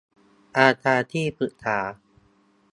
อาจารย์ที่ปรึกษา